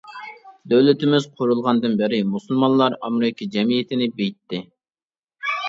دۆلىتىمىز قۇرۇلغاندىن بېرى مۇسۇلمانلار ئامېرىكا جەمئىيىتىنى بېيىتتى.